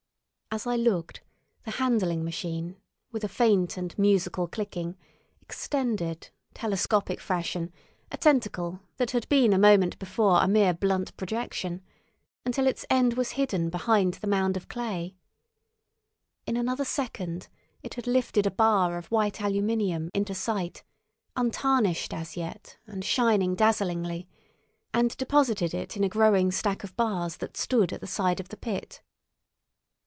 As I looked, the handling machine, with a faint and musical clinking, extended, telescopic fashion, a tentacle that had been a moment before a mere blunt projection, until its end was hidden behind the mound of clay. In another second it had lifted a bar of white aluminium into sight, untarnished as yet, and shining dazzlingly, and deposited it in a growing stack of bars that stood at the side of the pit.